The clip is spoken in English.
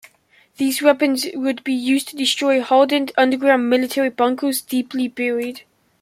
These weapons would be used to destroy hardened, underground military bunkers deeply buried.